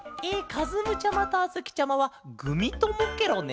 かずむちゃまとあづきちゃまはグミともケロね。